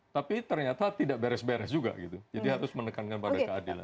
tapi ternyata tidak beres beres juga gitu jadi harus menekankan pada keadilan